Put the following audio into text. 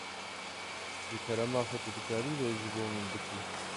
Ji kerema xwe tu dikarî vê ji bo min bikî?